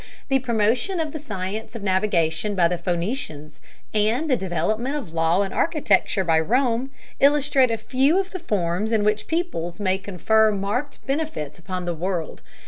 The promotion of the science of navigation by the Phoenicians, and the development of law and architecture by Rome, illustrate a few of the forms in which peoples may confer marked benefits upon the world.